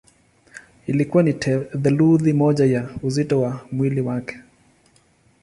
Ilikuwa ni theluthi moja ya uzito wa mwili wake.